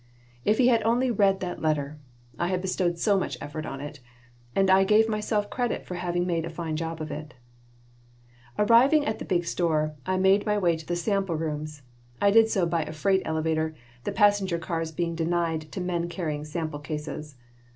If he had only read that letter! I had bestowed so much effort on it, and I gave myself credit for having made a fine job of it Arriving at the big store, I made my way to the sample rooms. I did so by a freight elevator, the passenger cars being denied to men carrying sample cases.